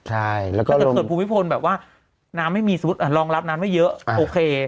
ถ้าเกิดเขื่อนภูมิพลแบบว่าลองรับน้ำไม่เยอะโอเค